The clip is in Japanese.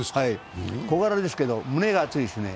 小柄ですけど胸が厚いですね。